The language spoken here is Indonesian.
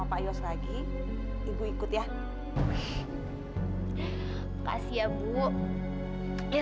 apa untungnya gue jelasin ke lo